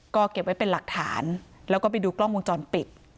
ก็เก็บไว้เป็นหลักฐานแล้วก็ไปดูกล้องวงจรปิด